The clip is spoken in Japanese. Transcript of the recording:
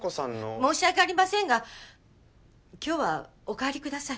申し訳ありませんが今日はお帰りください。